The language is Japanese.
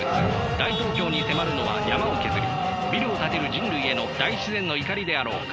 大東京に迫るのは山を削りビルを建てる人類への大自然の怒りであろうか。